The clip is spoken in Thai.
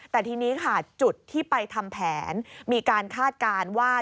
แต่ทีนี้ค่ะจุดที่ไปทำแผนมีการคาดการณ์ว่า